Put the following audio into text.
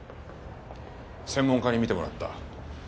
専門家に見てもらった。